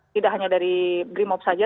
tidak hanya dari brimob saja